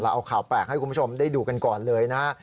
เอาข่าวแปลกให้คุณผู้ชมได้ดูกันก่อนเลยนะฮะ